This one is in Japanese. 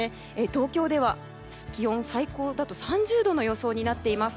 東京では気温、最高だと３０度の予想になっています。